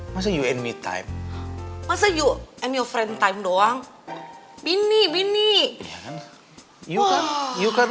masa you and me time masa you and your friend time doang bini bini you kan udah banyak